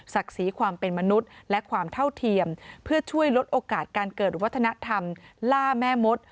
สีความเป็นมนุษย์และความเท่าเทียมเพื่อช่วยลดโอกาสการเกิดวัฒนธรรมล่าแม่มด